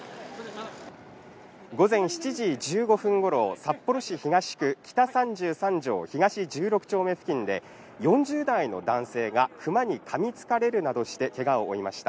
午前７時１５分頃、札幌市東区北３３条東１６丁目付近で４０代の男性がクマに噛みつかれるなどして、けがを負いました。